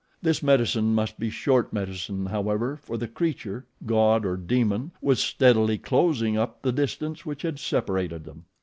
This medicine must be short medicine, however, for the creature, god or demon, was steadily closing up the distance which had separated them.